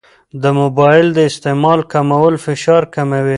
د موبایل د استعمال کمول فشار کموي.